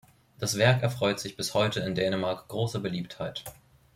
Das Werk erfreut sich bis heute in Dänemark großer Beliebtheit.